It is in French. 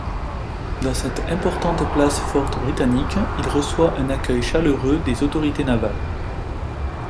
Dans cette importante place forte britannique, il reçoit un accueil chaleureux des autorités navales.